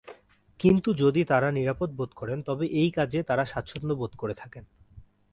কিন্তু যদি তাঁরা নিরাপদ বোধ করেন তবে এই কাজে তাঁরা স্বাচ্ছন্দ্য বোধ করে থাকেন।